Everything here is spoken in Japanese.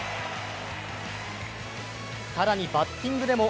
更に、バッティングでも。